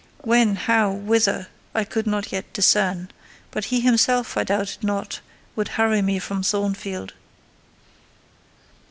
When—how—whither, I could not yet discern; but he himself, I doubted not, would hurry me from Thornfield.